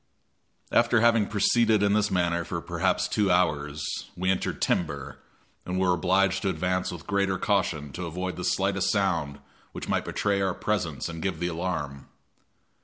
After having proceeded in this manner for perhaps two hours, we entered timber, and were obliged to advance with greater caution to avoid the slightest sound which might betray our presence and give the alarm.